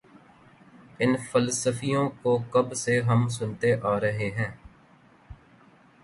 ان فلسفیوں کو کب سے ہم سنتے آ رہے ہیں۔